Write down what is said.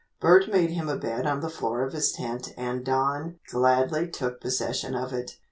Bert made him a bed on the floor of his tent and Don gladly took possession of it.